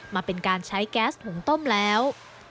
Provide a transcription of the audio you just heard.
มาเป็นการใช้แก๊สหุงต้มแล้ว